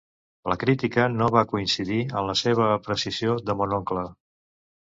La crítica no va coincidir en la seva apreciació de Mon oncle.